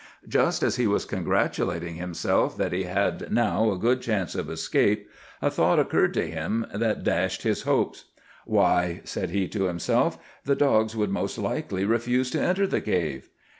"Just as he was congratulating himself that he had now a good chance of escape, a thought occurred to him that dashed his hopes. 'Why,' said he to himself, 'the dogs would most likely refuse to enter the cave!